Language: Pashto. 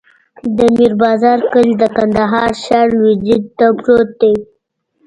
د میر بازار کلی د کندهار ښار لویدیځ ته پروت دی.